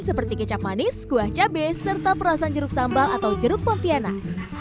seperti kecap manis kuah cabai serta perasan jeruk sambal atau jeruk pontianak